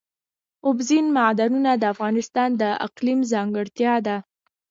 اوبزین معدنونه د افغانستان د اقلیم ځانګړتیا ده.